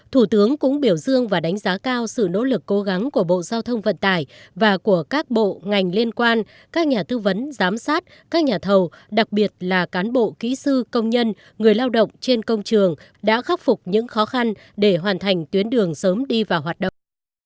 thủ tướng cũng biểu dương và đánh giá cao sự nỗ lực cố gắng của bộ giao thông vận tải và của các bộ ngành liên quan các nhà tư vấn giám sát các nhà thầu đặc biệt là cán bộ kỹ sư công nhân người lao động trên công trường đã khắc phục những khó khăn để hoàn thành tuyến đường sớm đi vào hoạt động